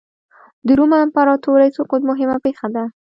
د روم د امپراتورۍ سقوط مهمه پېښه ده.